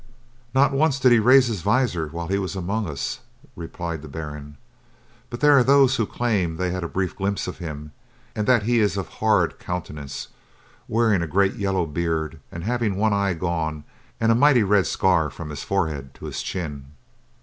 "Not once did he raise his visor while he was among us," replied the Baron, "but there are those who claim they had a brief glimpse of him and that he is of horrid countenance, wearing a great yellow beard and having one eye gone, and a mighty red scar from his forehead to his chin."